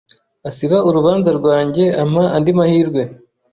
asiba urubanza rwanjye ampa andi mahirwe